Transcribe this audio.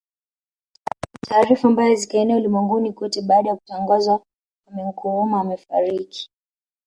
Taarifa mbaya zikaenea ulimwenguni kote baada ya Kutangazwa Kwame Nkrumah Amefariki